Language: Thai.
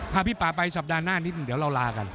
พาพี่ป่าไปสัปดาห์หน้านิดเดี๋ยวเราลากัน